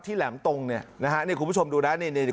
ที่แหลมตรงเนี่ยนะฮะเนี่ยคุณผู้ชมดูนะเนี่ยเนี่ย